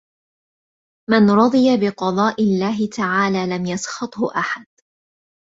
مَنْ رَضِيَ بِقَضَاءِ اللَّهِ تَعَالَى لَمْ يَسْخَطْهُ أَحَدٌ